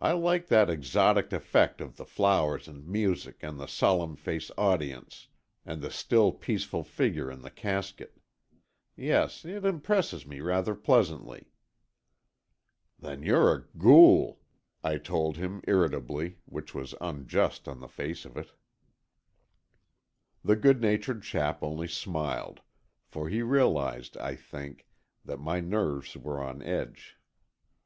I like that exotic effect of the flowers and music and the solemn faced audience, and the still peaceful figure in the casket. Yes, it impresses me rather pleasantly." "Then you're a ghoul," I told him, irritably, which was unjust on the face of it. The good natured chap only smiled, for he realized, I think, that my nerves were on edge.